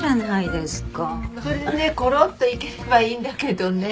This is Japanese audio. それでねコロッといければいいんだけどね。